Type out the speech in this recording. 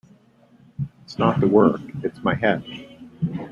It’s not the work — it’s my head.